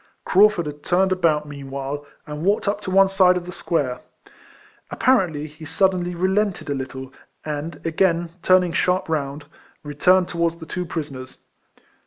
Craufurd had turned about meanwhile, and walked up to one side of the square. Apparently he sud denly relented a little, and, again turaing sharp round, returned towards the two prisoners.